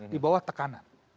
di bawah tekanan